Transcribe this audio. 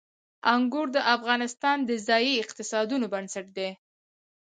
انګور د افغانستان د ځایي اقتصادونو بنسټ دی.